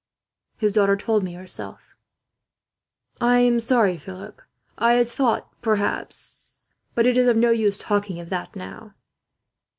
"His daughter told me herself," Philip said. "I am sorry, Philip. I had thought, perhaps but it is of no use talking of that, now."